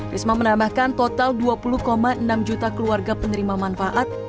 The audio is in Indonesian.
risma menambahkan total dua puluh enam juta keluarga penerima manfaat